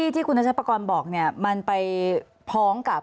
ที่คุณนัชปกรณ์บอกมันไปพ้องกับ